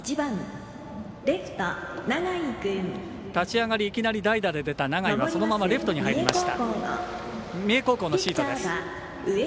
立ち上がり、いきなり代打で出た永井がそのままレフトに入りました。